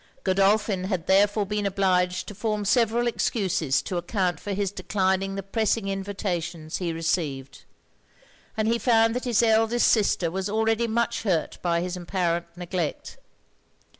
Godolphin had therefore been obliged to form several excuses to account for his declining the pressing invitations he received; and he found that his eldest sister was already much hurt by his apparent neglect.